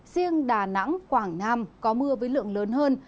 riêng đà nẵng quảng nam có mưa với lượng lớn hơn